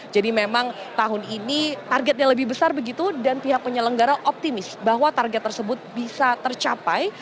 jadi memang tahun ini targetnya lebih besar begitu dan pihak penyelenggara optimis bahwa target tersebut bisa tercapai